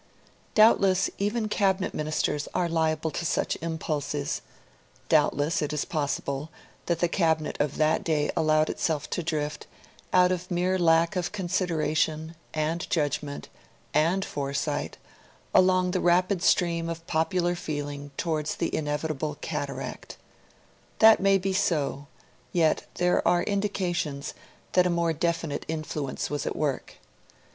Doubtless even Cabinet Ministers are liable to such impulses; doubtless it is possible that the Cabinet of that day allowed itself to drift, out of mere lack of consideration, and judgment, and foresight, along the rapid stream of popular feeling towards the inevitable cataract. That may be so; yet there are indications that a more definite influence was at work.